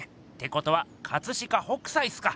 ことは飾北斎すか！